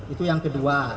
itu yang kedua